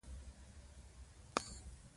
پښتو ژبه به زموږ په دې هڅه کې برکت ولري.